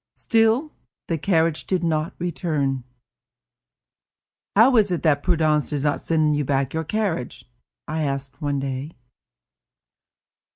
Still, the carriage did not return. "How is it that Prudence does not send you back your carriage?" I asked one day.